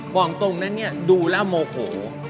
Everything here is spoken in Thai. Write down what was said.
บอกจริงนะเนี่ยดูแล้วโมโห